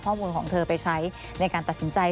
ของเธอไปใช้ในการตัดสินใจ